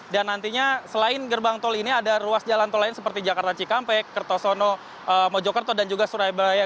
dan nantinya selain gerbang tol ini ada ruas jalan tol lain seperti jakarta cikampek kertosono mojokerto dan juga surabaya